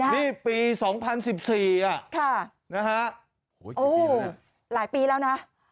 นี่ปี๒๐๑๔อ่ะนะฮะโอ้หลายปีแล้วนะ